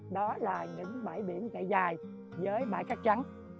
đó là những bãi biển chạy dài với bãi cá trắng